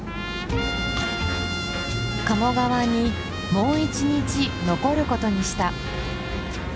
鴨川にもう一日残ることにした。